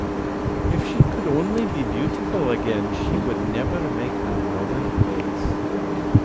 If she could only be beautiful again, she would never make another face.